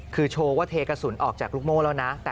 คือโชว์ว่าเทกระสุนออกจากลูกโม่แล้วนะ